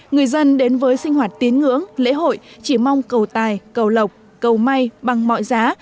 người dân đến với sinh hoạt tiến ngưỡng lễ hội chỉ mong cầu tài cầu lộc cầu may bằng mọi giá